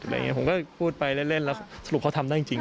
อะไรแบบนี้ผมก็พูดไปเล่นจะว่าเขาทำได้จริง